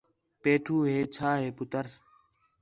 پیٹھو ہے چھا ہے پُتر